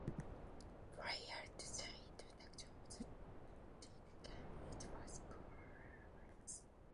Prior to the introduction of the tinted gum, it was colourless.